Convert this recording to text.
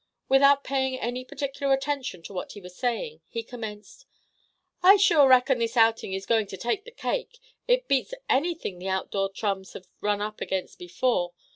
Without paying any particular attention to what he was saying, he commenced: "I sure reckon this outing is going to take the cake. It beats anything the outdoor chums have ever run up against before.